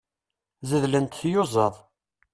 Zeddlent tyuẓaḍ.